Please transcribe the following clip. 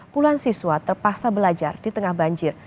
puluhan siswa terpaksa belajar di tengah banjir